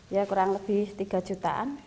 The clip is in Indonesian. ya kurang lebih tiga jutaan